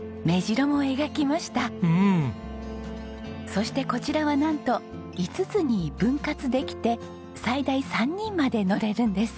そしてこちらはなんと５つに分割できて最大３人まで乗れるんです。